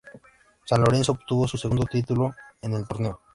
San Lorenzo obtuvo su segundo título en el torneo.